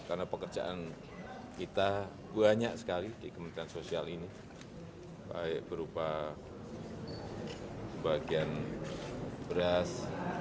karena pekerjaan kita banyak sekali di kementerian sosial ini baik berupa bagian beras